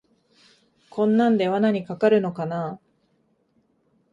こんなんで罠にかかるのかなあ